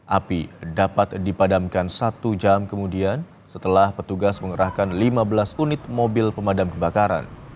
api dapat dipadamkan satu jam kemudian setelah petugas mengerahkan lima belas unit mobil pemadam kebakaran